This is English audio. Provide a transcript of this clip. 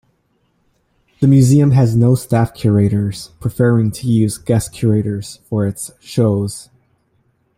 The museum has no staff curators, preferring to use guest curators for its shows.